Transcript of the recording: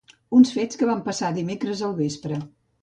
Uns fets que van passar dimecres al vespre.